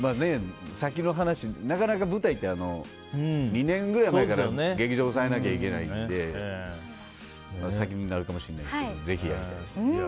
先の話なかなか舞台って２年くらい前から劇場を押さえなきゃいけないので先になるかもしれないですけど